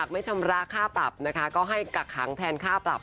ไม่ชำระค่าปรับนะคะก็ให้กักขังแทนค่าปรับ